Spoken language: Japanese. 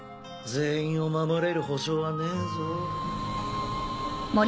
全員を守れる保証はねえぞ。